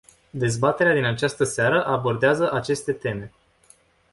Dezbaterea din această seară abordează aceste teme.